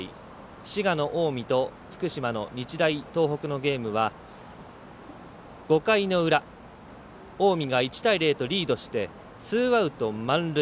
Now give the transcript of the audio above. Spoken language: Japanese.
滋賀の近江と福島の日大東北のゲームは５回の裏近江が１対０とリードしてツーアウト、満塁。